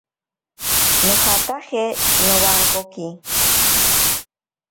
Nojataje nowankoki.